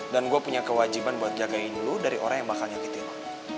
dan gue punya kewajiban buat jagain lo dari orang yang bakal nyakitin lo